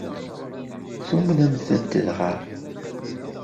Tumnemt-tent dɣa?